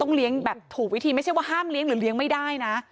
เลี้ยงแบบถูกวิธีไม่ใช่ว่าห้ามเลี้ยงหรือเลี้ยงไม่ได้นะ